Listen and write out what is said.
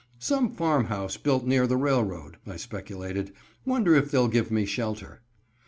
"Some farm house built near the railroad," I speculated; "wonder if they'll give me shelter."